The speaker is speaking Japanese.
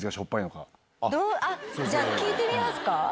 じゃあ聞いてみますか。